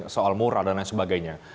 soal moral dan lain sebagainya